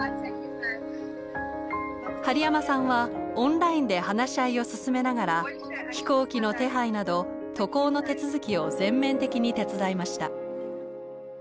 針山さんはオンラインで話し合いを進めながら飛行機の手配など渡航の手続きを全面的に手伝いました。